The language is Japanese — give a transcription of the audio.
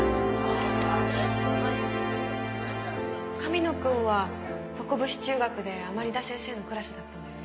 神野くんは常節中学で甘利田先生のクラスだったのよね。